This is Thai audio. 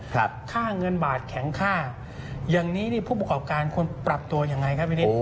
ค่าเงินบาทแข็งค่าอย่างนี้นี่ผู้ประกอบการควรปรับตัวยังไงครับพี่นิด